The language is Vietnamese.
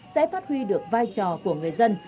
sẽ phát huy được vai trò của người dân